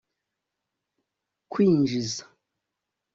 kwinjiza